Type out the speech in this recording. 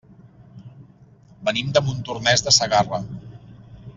Venim de Montornès de Segarra.